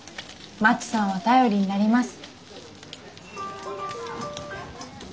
まちさんは頼りになります。